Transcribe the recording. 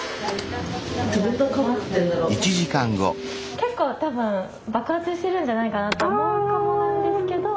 結構多分爆発してるんじゃないかなって思うかもなんですけど。